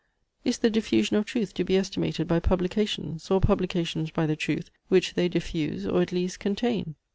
Is the diffusion of truth to be estimated by publications; or publications by the truth, which they diffuse or at least contain?